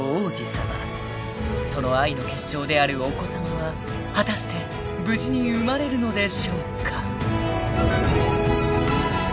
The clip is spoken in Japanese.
［その愛の結晶であるお子さまは果たして無事に生まれるのでしょうか？］